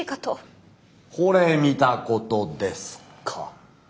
ほれ見たことですか。